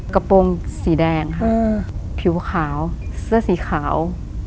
กระโปรงสีแดงค่ะผิวขาวเสื้อสีขาว